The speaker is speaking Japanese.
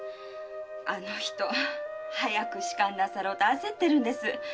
あの人早く仕官なさろうと焦ってるんです。